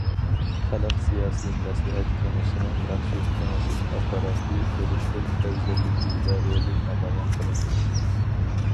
خەلق سىياسىي مەسلىھەت كېڭىشىنىڭ مەخسۇس كېڭىشىش ئاپپاراتى بولۇشتەك ئەۋزەللىكى ۋە رولى نامايان قىلىندى.